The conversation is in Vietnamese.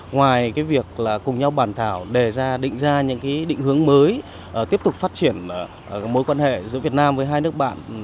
ngoài việc cùng nhau bàn thảo đề ra định ra những định hướng mới tiếp tục phát triển mối quan hệ giữa việt nam với hai nước bạn